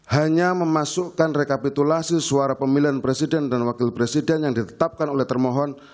hanya memasukkan rekapitulasi suara pemilihan presiden dan wakil presiden yang ditetapkan oleh termohon